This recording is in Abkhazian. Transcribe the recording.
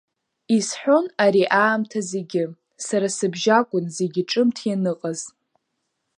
Исҳәон ари аамҭа зегьы, сара сыбжьы акун зегьы ҿымҭ ианыҟаз…